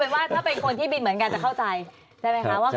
แต่เอาเป็นว่าถ้าเป็นคนที่บินเหมือนกันจะเข้าใจ